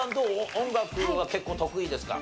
音楽は結構得意ですか？